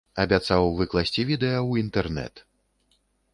Абяцаў выкласці відэа ў інтэрнэт.